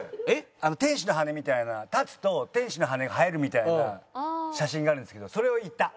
天使の羽みたいな立つと天使の羽が生えるみたいな写真があるんですけどそれを行った。